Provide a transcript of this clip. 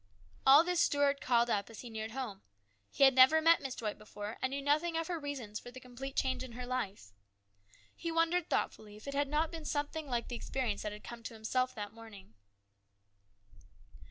All this Stuart called up as he neared home. He had never met Miss Dwight before, and knew nothing of her reasons for the complete change in her life. He wondered thoughtfully if it had not been some thing like the experience that had come to himself that morning.